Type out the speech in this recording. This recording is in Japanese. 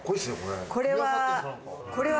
これは。